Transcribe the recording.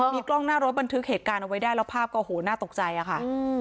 มีกล้องหน้ารถบันทึกเหตุการณ์เอาไว้ได้แล้วภาพก็โหน่าตกใจอะค่ะ